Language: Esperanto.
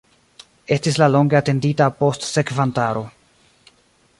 Estis la longe atendita postsekvantaro.